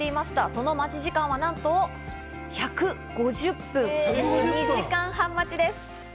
その待ち時間はなんと１５０分、２時間半待ちです。